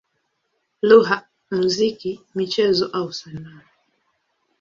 lugha, muziki, michezo au sanaa.